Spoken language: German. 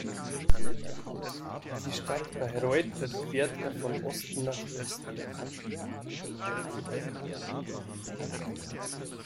Die Stadt Bayreuth durchquert er von Osten nach Westen.